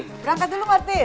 berangkat dulu pak fin